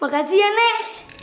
makasih ya nek